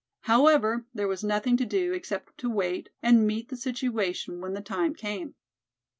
However, there was nothing to do except to wait and meet the situation when the time came.